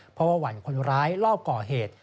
เพราะว่าหวั่นคนร้ายรอบก่อเหตุ